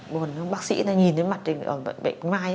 buồn bác sĩ nhìn thấy mặt bệnh mai